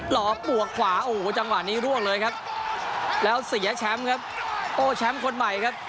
หล่อปวกขวาโอ้โหจังหวะนี้ร่วงเลยครับแล้วเสียแชมป์ครับโอ้แชมป์คนใหม่ครับ